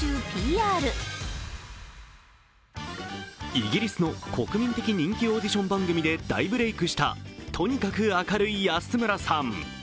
イギリスの国民的人気オーディション番組で大ブレークしたとにかく明るい安村さん。